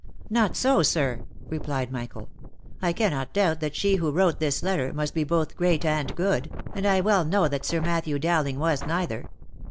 " Not so, sir," replied Michael, " I cannot doubt that she who wrote this letter, must be both great and good, and I well know that Sir Matthew Dowling was neither.